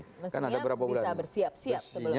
maksudnya bisa bersiap siap sebelumnya